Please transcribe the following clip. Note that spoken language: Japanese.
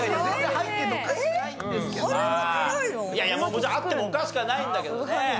もちろんあってもおかしくはないんだけどね。